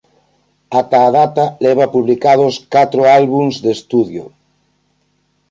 Ata a data leva publicados catro álbums de estudio.